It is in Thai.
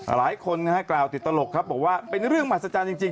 หลายคนนะฮะกล่าวติดตลกครับบอกว่าเป็นเรื่องมหัศจรรย์จริง